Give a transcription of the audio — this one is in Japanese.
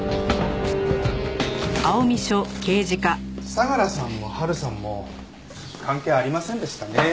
相良さんも波琉さんも関係ありませんでしたね。